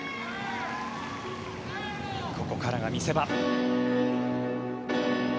ここからが見せ場。